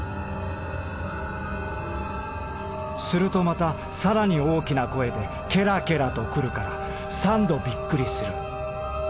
「するとまたさらに大きな声で『ケラケラ』とくるから三度びっくりする。